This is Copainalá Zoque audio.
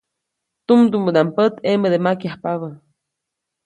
Tumdumädaʼm pät ʼemäde makyajpabä.